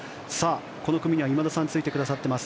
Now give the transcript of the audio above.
この組には今田さんがついてくださっています。